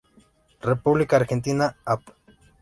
República Argentina, Av.